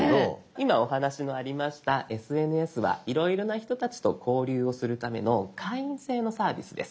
今お話のありました「ＳＮＳ」はいろいろな人たちと交流をするための会員制のサービスです。